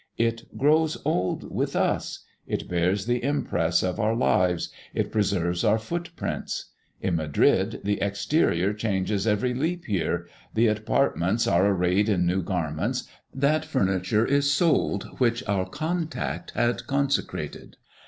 It grows old with us; it bears the impress of our lives; it preserves our footprints. In Madrid the exterior changes every leap year; the apartments are arrayed in new garments; that furniture is sold which our contact had consecrated.